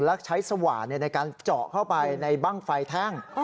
และใช้สว่านในการเจาะเข้าไปในบ้างไฟแท่ง